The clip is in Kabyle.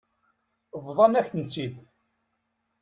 Bḍan-akent-tt-id.